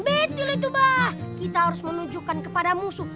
betul itu mbah kita harus menunjukkan kepada musuh